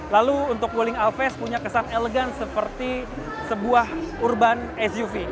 lalu untuk wuling alves punya kesan elegan seperti sebuah urban suv